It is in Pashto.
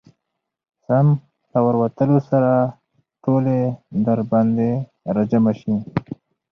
سم له ورتلو سره ټولې درباندي راجمعه شي.